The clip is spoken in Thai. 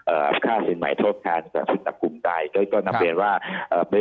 เอ่อค่าสินใหม่โทษแทนกับชุดจับกลุ่มใดก็ก็นับเรียนว่าเอ่อ